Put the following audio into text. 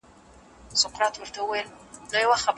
ملي لباس واغوندئ.